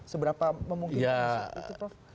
seberapa memungkinkan itu prof